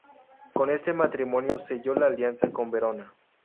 Con este matrimonio selló la alianza con Verona.